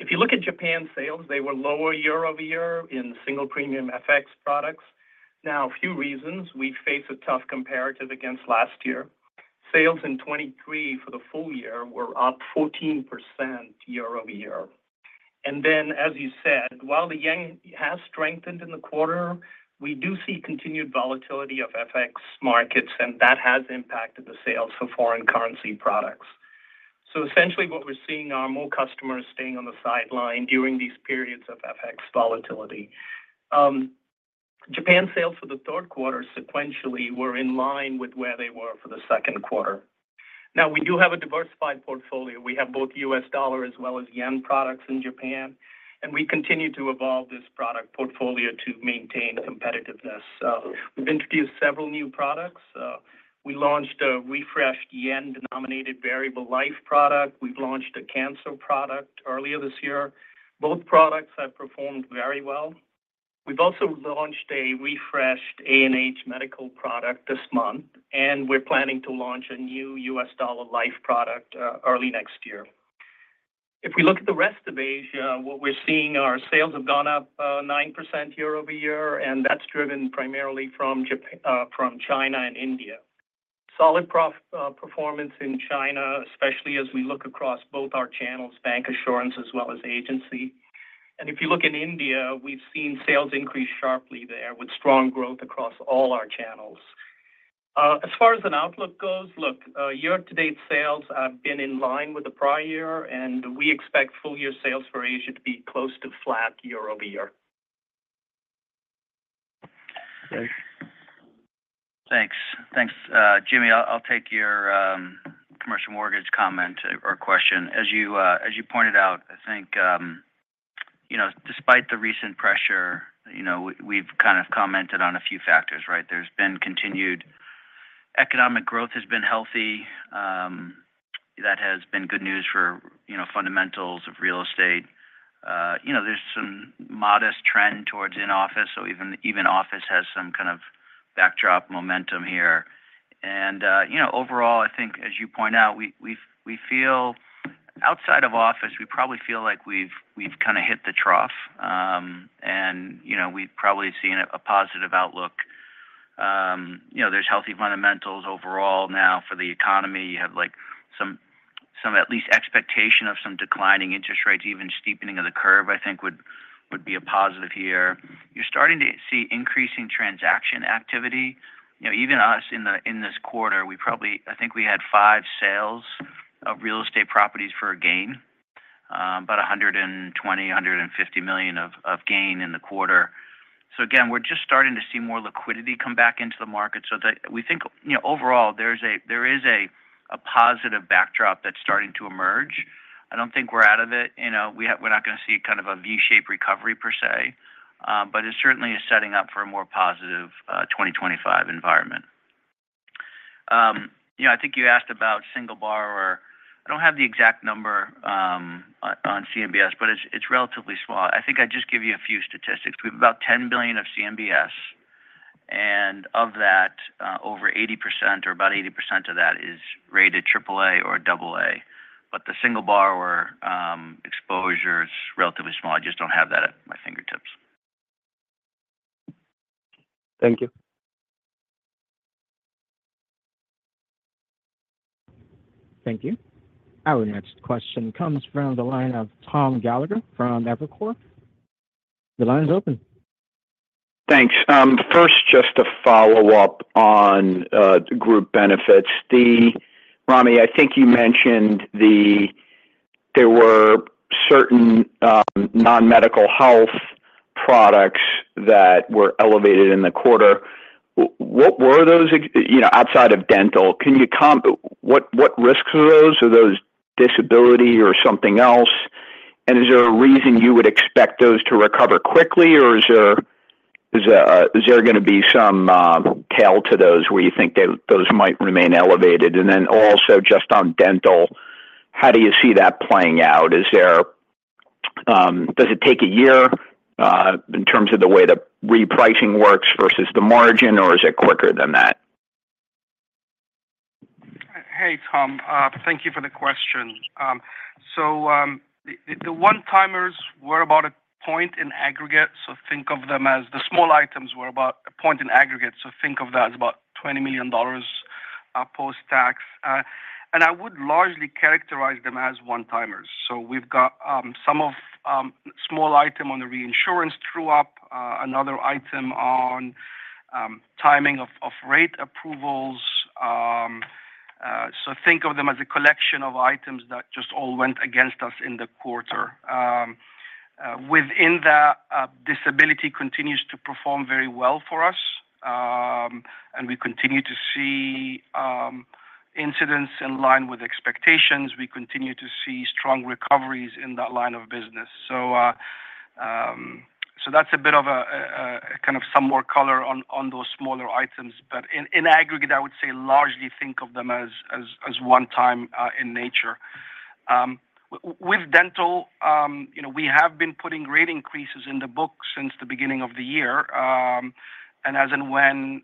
If you look at Japan sales, they were lower year-over-year in single-premium FX products. Now, a few reasons. We face a tough comparative against last year. Sales in 2023 for the full year were up 14% year-over-year. As you said, while the yen has strengthened in the quarter, we do see continued volatility of FX markets, and that has impacted the sales for foreign currency products. Essentially, what we're seeing are more customers staying on the sidelines during these periods of FX volatility. Japan sales for the Q3 sequentially were in line with where they were for the Q2. Now, we do have a diversified portfolio. We have both U.S. dollar as well as yen products in Japan, and we continue to evolve this product portfolio to maintain competitiveness. We've introduced several new products. We launched a refreshed yen-denominated variable life product. We've launched a cancer product earlier this year. Both products have performed very well. We've also launched a refreshed A&H medical product this month, and we're planning to launch a new U.S. dollar life product early next year. If we look at the rest of Asia, what we're seeing are sales have gone up 9% year-over-year, and that's driven primarily from China and India. Solid performance in China, especially as we look across both our channels, bancassurance as well as agency, and if you look in India, we've seen sales increase sharply there with strong growth across all our channels. As far as an outlook goes, look, year-to-date sales have been in line with the prior year, and we expect full-year sales for Asia to be close to flat year-over-year. Thanks. Thanks. Jimmy, I'll take your commercial mortgage comment or question. As you pointed out, I think despite the recent pressure, we've kind of commented on a few factors, right? There's been continued economic growth has been healthy. That has been good news for fundamentals of real estate. There's some modest trend towards in-office, so even office has some kind of backdrop momentum here. And overall, I think, as you point out, we feel outside of office, we probably feel like we've kind of hit the trough, and we've probably seen a positive outlook. There's healthy fundamentals overall now for the economy. You have at least expectation of some declining interest rates, even steepening of the curve. I think would be a positive here. You're starting to see increasing transaction activity. Even us in this quarter, I think we had five sales of real estate properties for a gain, about $120-150 million of gain in the quarter. So again, we're just starting to see more liquidity come back into the market. So we think overall, there is a positive backdrop that's starting to emerge. I don't think we're out of it. We're not going to see kind of a V-shaped recovery per se, but it certainly is setting up for a more positive 2025 environment. I think you asked about single borrower. I don't have the exact number on CMBS, but it's relatively small. I think I just give you a few statistics. We have about $10 billion of CMBS, and of that, over 80% or about 80% of that is rated AAA or AA. But the single borrower exposure is relatively small. I just don't have that at my fingertips. Thank you. Thank you. Our next question comes from the line of Thomas Gallagher from Evercore. The line is open. Thanks. First, just a follow-up on group benefits. Ramy, I think you mentioned there were certain non-medical health products that were elevated in the quarter. What were those outside of dental? What risks are those? Are those disability or something else? And is there a reason you would expect those to recover quickly, or is there going to be some tail to those where you think those might remain elevated? And then also just on dental, how do you see that playing out? Does it take a year in terms of the way the repricing works versus the margin, or is it quicker than that? Hey, Tom. Thank you for the question. So the one-timers were about a point in aggregate. So think of them as the small items were about a point in aggregate. So think of that as about $20 million post-tax. And I would largely characterize them as one-timers. So we've got some small item on the reinsurance true-up, another item on timing of rate approvals. So think of them as a collection of items that just all went against us in the quarter. Within that, disability continues to perform very well for us, and we continue to see incidents in line with expectations. We continue to see strong recoveries in that line of business. So that's a bit of kind of some more color on those smaller items. But in aggregate, I would say largely think of them as one-time in nature. With dental, we have been putting rate increases in the book since the beginning of the year. And as and when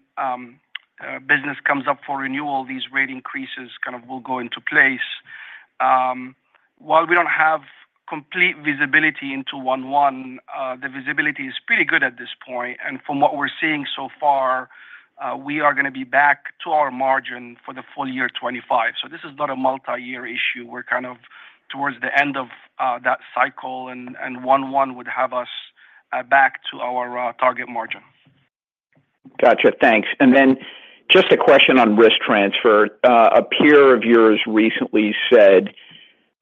business comes up for renewal, these rate increases kind of will go into place. While we don't have complete visibility into 1-1, the visibility is pretty good at this point. And from what we're seeing so far, we are going to be back to our margin for the full year 2025. So this is not a multi-year issue. We're kind of towards the end of that cycle, and 1-1 would have us back to our target margin. Gotcha. Thanks. And then just a question on risk transfer. A peer of yours recently said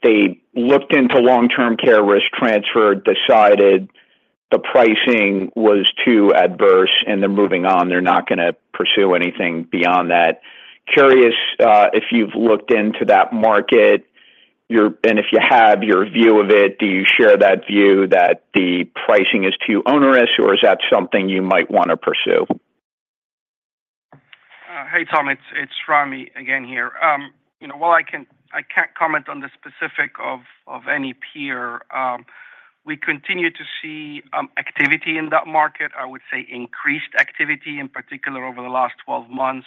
they looked into long-term care risk transfer, decided the pricing was too adverse, and they're moving on. They're not going to pursue anything beyond that. Curious if you've looked into that market, and if you have, your view of it, do you share that view that the pricing is too onerous, or is that something you might want to pursue? Hey, Tom. It's Ramy again here. While I can't comment on the specifics of any peer, we continue to see activity in that market. I would say increased activity, in particular over the last 12 months,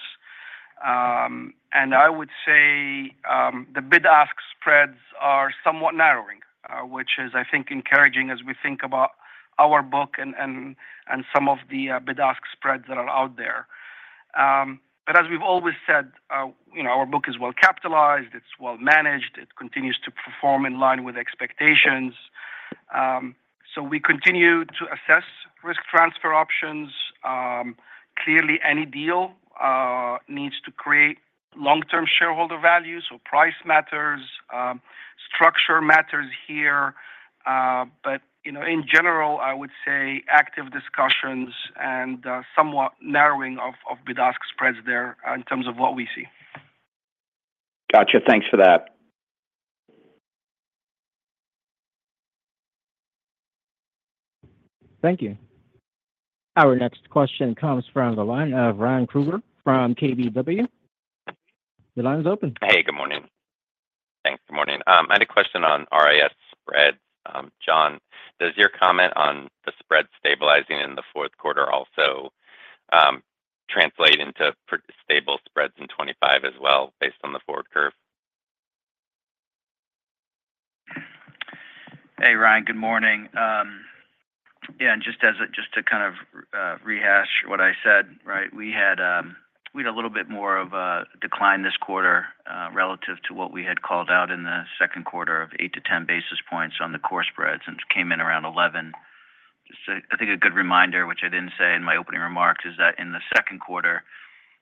and I would say the bid-ask spreads are somewhat narrowing, which is, I think, encouraging as we think about our book and some of the bid-ask spreads that are out there, but as we've always said, our book is well-capitalized. It's well-managed. It continues to perform in line with expectations, so we continue to assess risk transfer options. Clearly, any deal needs to create long-term shareholder value, so price matters. Structure matters here. But in general, I would say active discussions and somewhat narrowing of bid-ask spreads there in terms of what we see. Gotcha. Thanks for that. Thank you. Our next question comes from the line of Ryan Krueger from KBW. The line's open. Hey, good morning. Thanks. Good morning. I had a question on RIS spreads. John, does your comment on the spread stabilizing in the Q4 also translate into stable spreads in 2025 as well based on the forward curve? Hey, Ryan. Good morning. Yeah. And just to kind of rehash what I said, right, we had a little bit more of a decline this quarter relative to what we had called out in the Q2 of 8-10 basis points on the core spreads. And it came in around 11. I think a good reminder, which I didn't say in my opening remarks, is that in the Q2,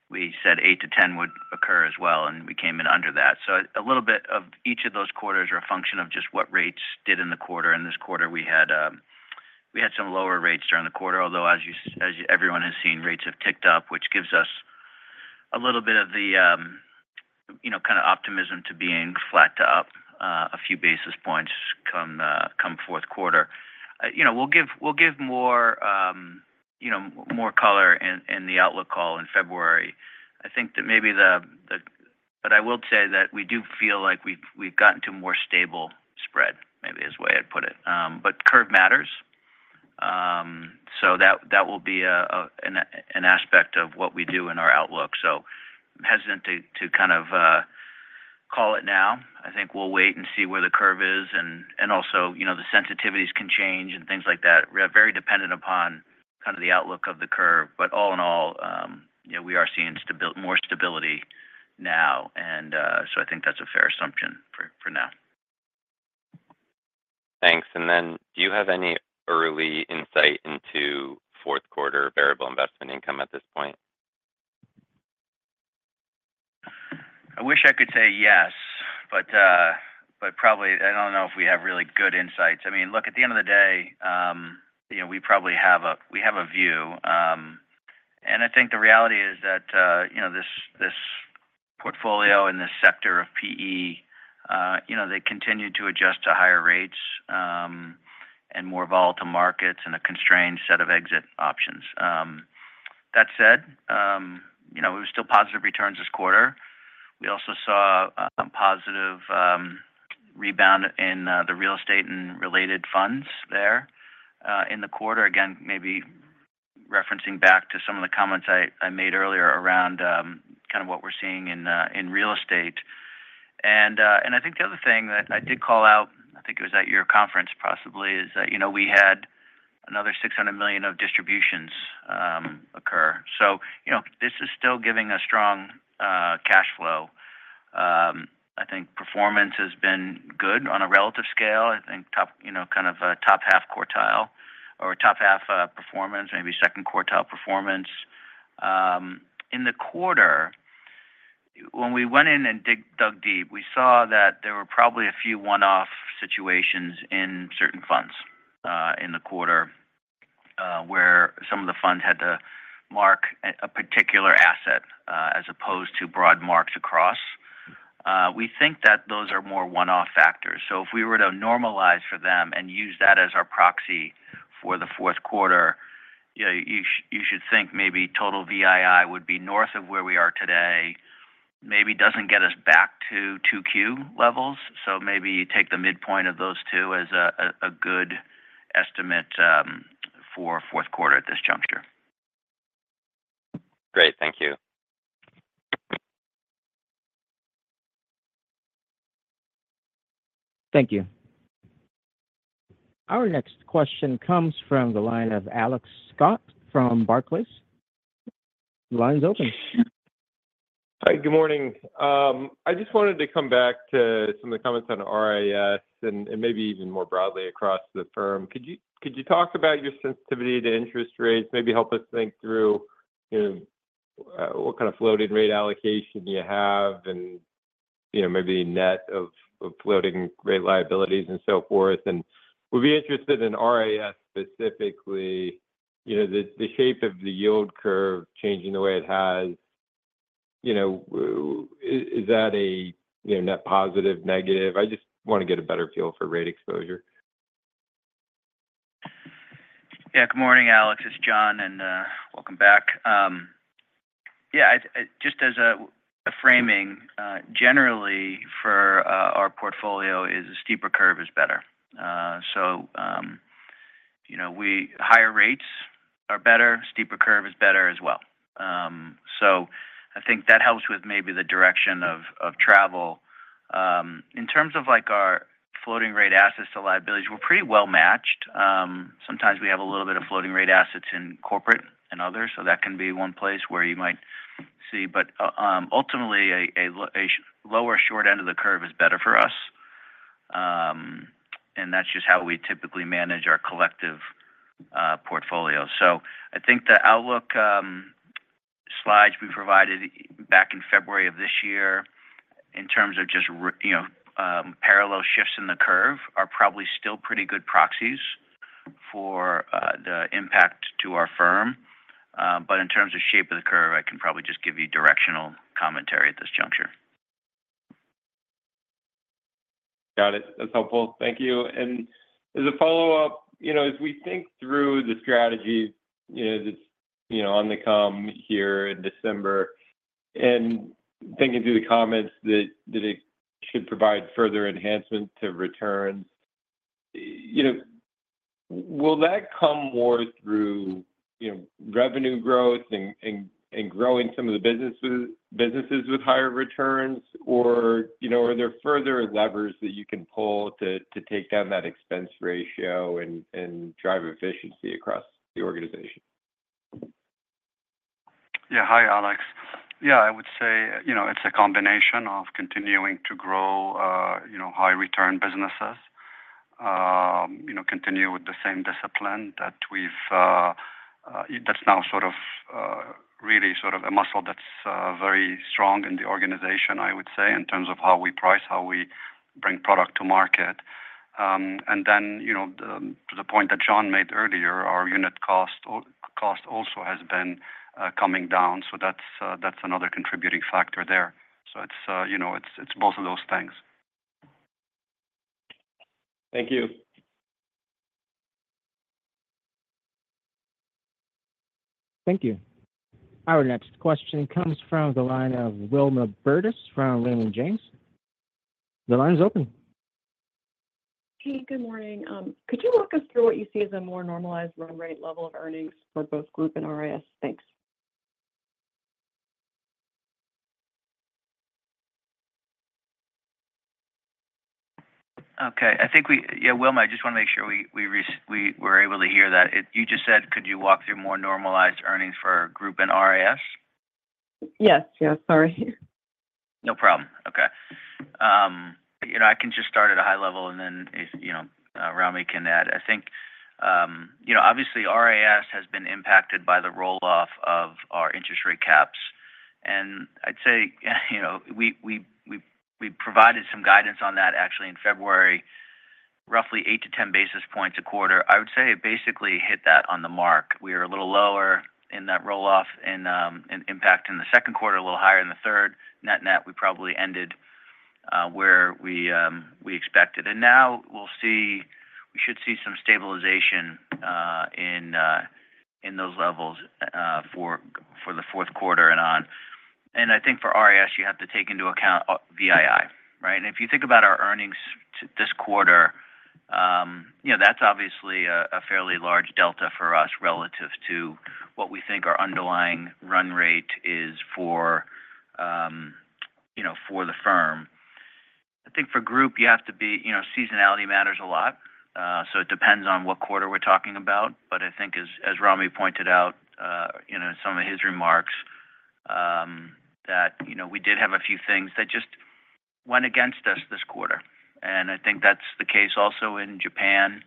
we said 8 to 10 would occur as well, and we came in under that. So a little bit of each of those quarters are a function of just what rates did in the quarter. And this quarter, we had some lower rates during the quarter, although as everyone has seen, rates have ticked up, which gives us a little bit of the kind of optimism to being flat to up a few basis points come Q4. We'll give more color in the outlook call in February. I think that maybe the—but I will say that we do feel like we've gotten to a more stable spread, maybe is the way I'd put it. But curve matters. So that will be an aspect of what we do in our outlook. So I'm hesitant to kind of call it now. I think we'll wait and see where the curve is. And also, the sensitivities can change and things like that. We're very dependent upon kind of the outlook of the curve. But all in all, we are seeing more stability now. And so I think that's a fair assumption for now. Thanks. And then do you have any early insight into Q4 variable investment income at this point? I wish I could say yes, but probably I don't know if we have really good insights. I mean, look, at the end of the day, we probably have a view. And I think the reality is that this portfolio and this sector of PE, they continue to adjust to higher rates and more volatile markets and a constrained set of exit options. That said, we were still positive returns this quarter. We also saw a positive rebound in the real estate and related funds there in the quarter. Again, maybe referencing back to some of the comments I made earlier around kind of what we're seeing in real estate. And I think the other thing that I did call out, I think it was at your conference possibly, is that we had another $600 million of distributions occur. So this is still giving a strong cash flow. I think performance has been good on a relative scale. I think kind of top-half quartile or top-half performance, maybe second quartile performance. In the quarter, when we went in and dug deep, we saw that there were probably a few one-off situations in certain funds in the quarter where some of the funds had to mark a particular asset as opposed to broad marks across. We think that those are more one-off factors. So if we were to normalize for them and use that as our proxy for Q4, you should think maybe total VII would be north of where we are today. Maybe doesn't get us back to Q2 levels. So maybe you take the midpoint of those two as a good estimate for Q4 at this juncture. Great. Thank you. Thank you. Our next question comes from the line of Alex Scott from Barclays. The line's open. Hi. Good morning. I just wanted to come back to some of the comments on RIS and maybe even more broadly across the firm. Could you talk about your sensitivity to interest rates? Maybe help us think through what kind of floating rate allocation you have and maybe net of floating rate liabilities and so forth. And we'd be interested in RIS specifically, the shape of the yield curve changing the way it has. Is that a net positive, negative? I just want to get a better feel for rate exposure. Yeah. Good morning, Alex. It's John, and welcome back. Yeah. Just as a framing, generally for our portfolio, a steeper curve is better. So higher rates are better. Steeper curve is better as well. So I think that helps with maybe the direction of travel. In terms of our floating rate assets to liabilities, we're pretty well-matched. Sometimes we have a little bit of floating rate assets in corporate and others. So that can be one place where you might see. But ultimately, a lower short end of the curve is better for us. And that's just how we typically manage our collective portfolio. So, I think the outlook slides we provided back in February of this year in terms of just parallel shifts in the curve are probably still pretty good proxies for the impact to our firm. But in terms of shape of the curve, I can probably just give you directional commentary at this juncture. Got it. That's helpful. Thank you. And as a follow-up, as we think through the strategies that's on the come here in December and thinking through the comments that it should provide further enhancement to returns, will that come more through revenue growth and growing some of the businesses with higher returns? Or are there further levers that you can pull to take down that expense ratio and drive efficiency across the organization? Yeah. Hi, Alex. Yeah. I would say it's a combination of continuing to grow high-return businesses, continue with the same discipline that we've—that's now sort of really sort of a muscle that's very strong in the organization, I would say, in terms of how we price, how we bring product to market. And then to the point that John made earlier, our unit cost also has been coming down. So that's another contributing factor there. So it's both of those things. Thank you. Thank you. Our next question comes from the line of Wilma Burdis from Raymond James. The line's open. Hey, good morning. Could you walk us through what you see as a more normalized run rate level of earnings for both group and RIS? Thanks. Okay. I think we—yeah, Wilma, I just want to make sure we were able to hear that. You just said, "Could you walk through more normalized earnings for group and RIS?" Yes. Yeah. Sorry. No problem. Okay. I can just start at a high level, and then Ramy can add. I think, obviously, RIS has been impacted by the roll-off of our interest rate caps. And I'd say we provided some guidance on that actually in February, roughly 8-10 basis points a quarter. I would say it basically hit that on the mark. We were a little lower in that roll-off and impact in the Q2, a little higher in the third. Net net, we probably ended where we expected. And now we should see some stabilization in those levels for Q4 and on. And I think for RIS, you have to take into account VII, right? And if you think about our earnings this quarter, that's obviously a fairly large delta for us relative to what we think our underlying run rate is for the firm. I think for group, you have to be. Seasonality matters a lot. So it depends on what quarter we're talking about. But I think, as Ramy pointed out in some of his remarks, that we did have a few things that just went against us this quarter. And I think that's the case also in Japan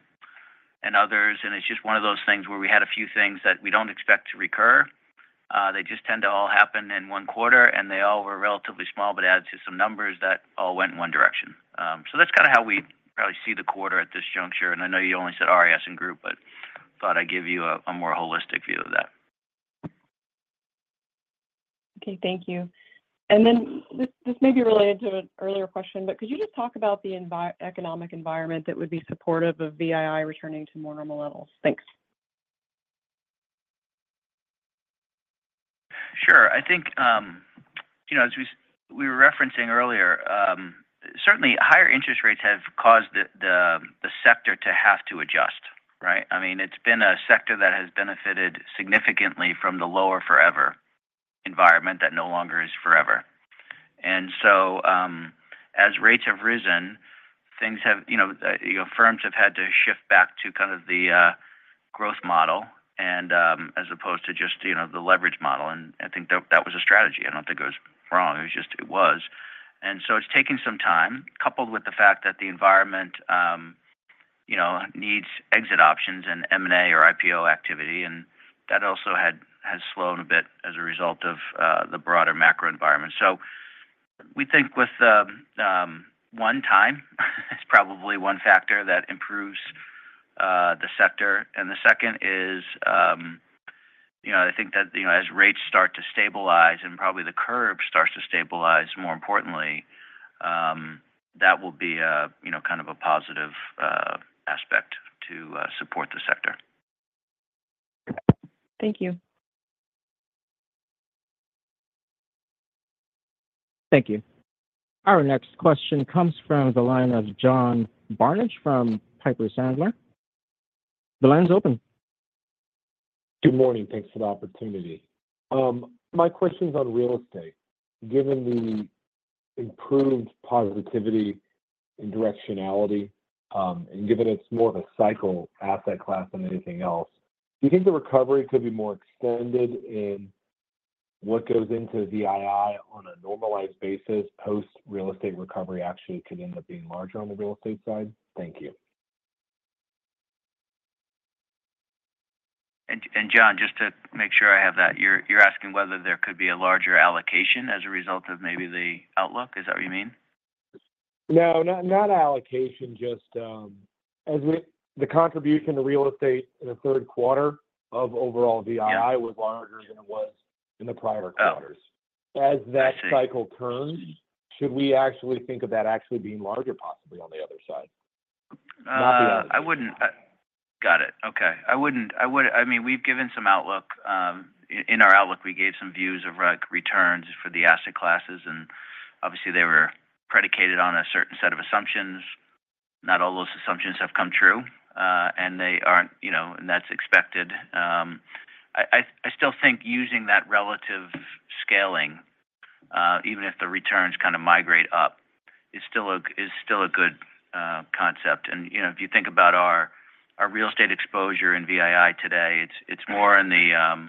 and others. And it's just one of those things where we had a few things that we don't expect to recur. They just tend to all happen in one quarter, and they all were relatively small but added to some numbers that all went in one direction. So that's kind of how we probably see the quarter at this juncture. I know you only said RIS and group, but thought I'd give you a more holistic view of that. Okay. Thank you. Then this may be related to an earlier question, but could you just talk about the economic environment that would be supportive of VII returning to more normal levels? Thanks. Sure. I think, as we were referencing earlier, certainly higher interest rates have caused the sector to have to adjust, right? I mean, it's been a sector that has benefited significantly from the lower-forever environment that no longer is forever. And so as rates have risen, things have, firms have had to shift back to kind of the growth model as opposed to just the leverage model. And I think that was a strategy. I don't think it was wrong. It was just. It was. And so it's taking some time, coupled with the fact that the environment needs exit options and M&A or IPO activity. And that also has slowed a bit as a result of the broader macro environment. So we think with one time, it's probably one factor that improves the sector. And the second is I think that as rates start to stabilize and probably the curve starts to stabilize more importantly, that will be kind of a positive aspect to support the sector. Thank you. Thank you. Our next question comes from the line of John Barnidge from Piper Sandler. The line's open. Good morning. Thanks for the opportunity. My question's on real estate. Given the improved positivity and directionality, and given it's more of a cycle asset class than anything else, do you think the recovery could be more extended in what goes into VII on a normalized basis post-real estate recovery actually could end up being larger on the real estate side? Thank you. And John, just to make sure I have that, you're asking whether there could be a larger allocation as a result of maybe the outlook? Is that what you mean? No, not allocation, just the contribution to real estate in the Q3 of overall VII was larger than it was in the prior quarters. As that cycle turns, should we actually think of that actually being larger possibly on the other side? Not the other side. Got it. Okay. I mean, we've given some outlook. In our outlook, we gave some views of returns for the asset classes. And obviously, they were predicated on a certain set of assumptions. Not all those assumptions have come true, and they aren't, and that's expected. I still think using that relative scaling, even if the returns kind of migrate up, is still a good concept. And if you think about our real estate exposure in VII today, it's more in the,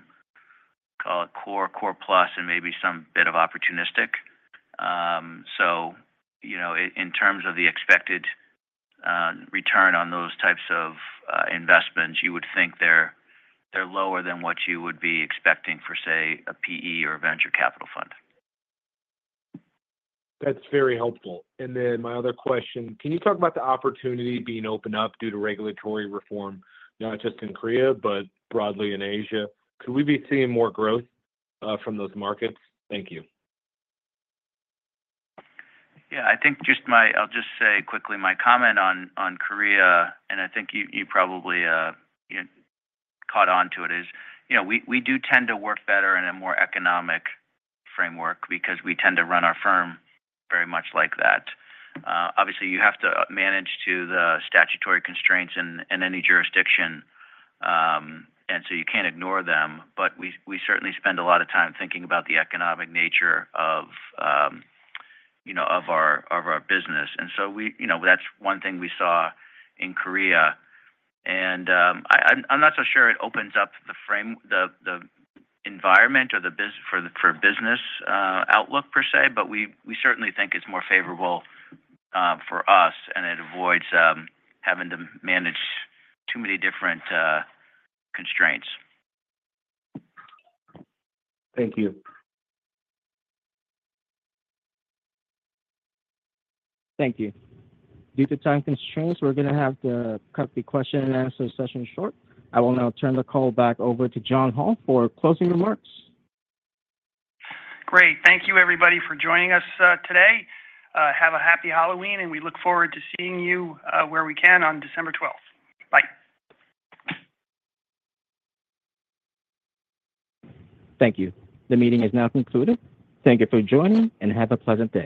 call it, core plus and maybe some bit of opportunistic. So in terms of the expected return on those types of investments, you would think they're lower than what you would be expecting for, say, a PE or a venture capital fund. That's very helpful. And then my other question, can you talk about the opportunity being opened up due to regulatory reform, not just in Korea but broadly in Asia? Could we be seeing more growth from those markets? Thank you. Yeah. I think just my, I'll just say quickly my comment on Korea, and I think you probably caught on to it, is we do tend to work better in a more economic framework because we tend to run our firm very much like that. Obviously, you have to manage to the statutory constraints in any jurisdiction, and so you can't ignore them. But we certainly spend a lot of time thinking about the economic nature of our business. And so that's one thing we saw in Korea. And I'm not so sure it opens up the environment for business outlook per se, but we certainly think it's more favorable for us, and it avoids having to manage too many different constraints. Thank you. Thank you. Due to time constraints, we're going to have to cut the question-and-answer session short. I will now turn the call back over to John Hall for closing remarks. Great. Thank you, everybody, for joining us today. Have a happy Halloween, and we look forward to seeing you where we can on December 12t. Bye. Thank you. The meeting is now concluded. Thank you for joining, and have a pleasant day.